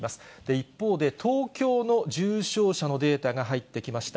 一方で、東京の重症者のデータが入ってきました。